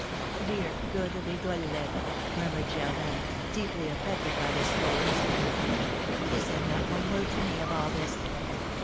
'" "Dear, good Rigolette!" murmured Germain, deeply affected by this little incident; "she said not one word to me of all this."